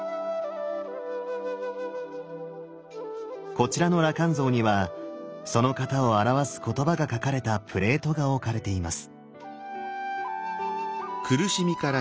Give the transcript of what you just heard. こちらの羅漢像にはその方を表す言葉が書かれたプレートが置かれています。